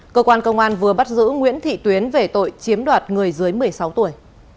cơ quan công an vừa bắt giữ nguyễn thị tuyến về tội chiếm đoạt người dưới một mươi sáu tuổi